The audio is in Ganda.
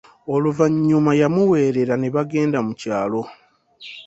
Oluvanyuma yamuwerelera nebagenda mu kyalo.